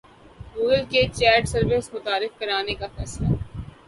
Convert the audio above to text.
Google کا chat service متعارف کرانے کا فیصلہ